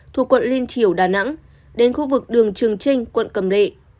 thuộc quận liên triểu đà nẵng đến khu vực đường trường trinh quận cẩm lệ